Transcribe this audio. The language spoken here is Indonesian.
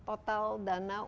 pemerintah pak mbak mbak